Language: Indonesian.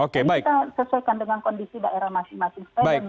kita sesuaikan dengan kondisi daerah masing masing